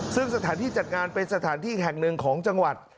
ซึ่งสถานที่จัดงานเป็นสถานที่แห่งหนึ่งของจังหวัด